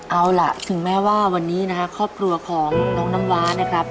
เอาล่ะถึงแม้ว่าวันนี้นะครับครอบครัวของน้องน้ำว้านะครับ